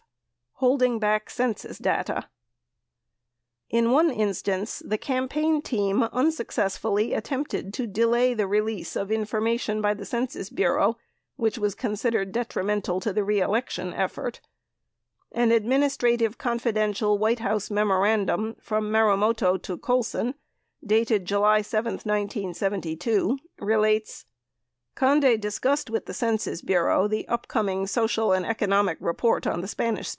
Holding Back Census Data In one instance, the campaign team unsuccessfully attempted to delay the release of information by the Census Bureau which was considered detrimental to the reelection effort. An "Administrative Confidential" White House memorandum from Marumoto to Colson and Malek, dated July 7, 1972, relates: Conde discussed with Census Bureau the upcoming social and economic report on the SS.